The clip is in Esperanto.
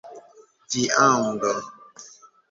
viando